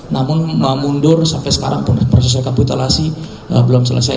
namun mau mundur sampai sekarang pun prosesnya kapitulasi belum selesai